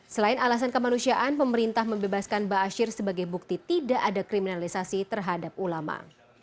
selain alasan kemanusiaan pemerintah membebaskan ba'asyir sebagai bukti tidak ada kriminalisasi terhadap ulama